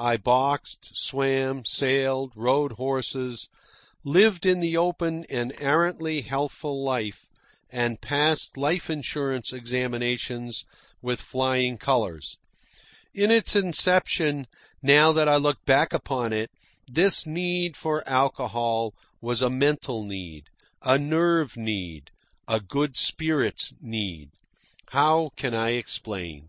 I boxed, swam, sailed, rode horses, lived in the open an arrantly healthful life, and passed life insurance examinations with flying colours. In its inception, now that I look back upon it, this need for alcohol was a mental need, a nerve need, a good spirits need. How can I explain?